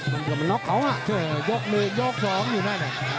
มันกำลังน็อกเขาอ่ะยก๑ยก๒อยู่หน้าเนี่ย